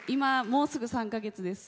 もうすぐ３か月です。